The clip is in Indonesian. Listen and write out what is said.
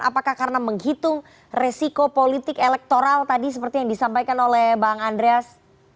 apakah karena menghitung resiko politik elektoral tadi seperti yang disampaikan oleh bang andreas